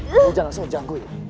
jangan langsung menjangkut